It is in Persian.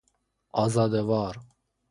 آزاده وار